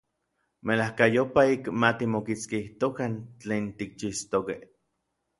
Melajkayopaj ik ma timokitskijtokan tlen tikchixtokej.